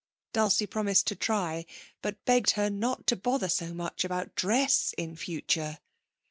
Dulcie promised to try, but begged her not to bother so much about dress in future.